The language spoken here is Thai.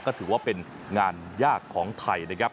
ก็ถือว่าเป็นงานยากของไทยนะครับ